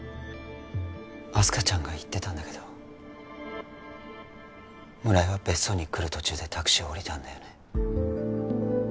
明日香ちゃんが言ってたんだけど村井は別荘に来る途中でタクシーを降りたんだよね？